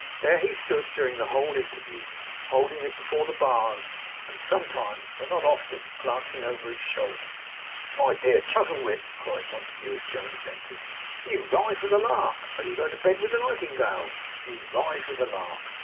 There he stood, during the whole interview, holding it before the bars, and sometimes, but not often, glancing over his shoulder. 'My dear Chuzzlewit!' cried Montague, as Jonas entered. 'You rise with the lark. Though you go to bed with the nightingale, you rise with the lark.